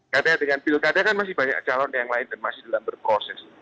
karena dengan pilkada kan masih banyak calon yang lain dan masih dalam berproses